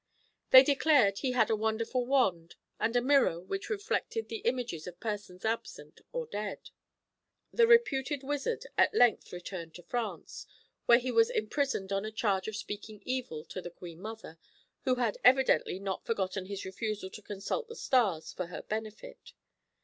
They declared he had a wonderful wand, and a mirror which reflected the images of persons absent or dead. The reputed wizard at length returned to France, where he was imprisoned on a charge of speaking evil of the Queen Mother, who had evidently not forgotten his refusal to consult the stars for her benefit.